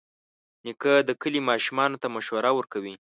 نیکه د کلي ماشومانو ته مشوره ورکوي.